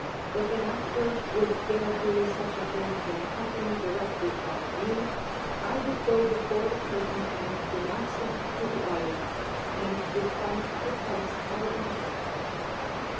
If an actor would dare do such a thing in a company directed by me, I would go before the curtain and denounce him to the audience and refund the price of admission.